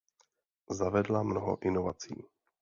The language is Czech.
Zavedla mnoho inovací.